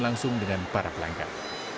langsung dengan para pelanggan